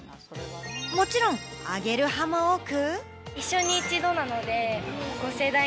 もちろん挙げる派も多く。